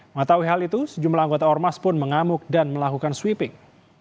mengetahui hal itu sejumlah anggota ormas pun mengamuk dan melakukan sweeping